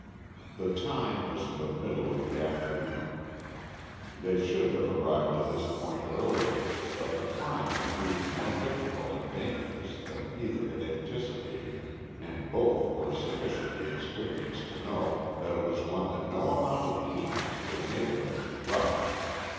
The time was the middle of the forenoon. They should have arrived at this point earlier, but the climb had proved more difficult and dangerous than either had anticipated, and both were sufficiently experienced to know that it was one that no amount of keenness would enable them to rush.